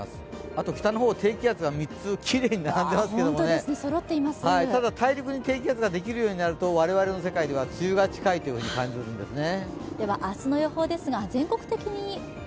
あと、北の方、低気圧が３つきれいに並んでますけどただ、大陸に低気圧ができるようになると、我々の世界では梅雨が近いというふうに感じるんですね。